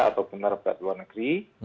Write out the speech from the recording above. atau benar benar luar negeri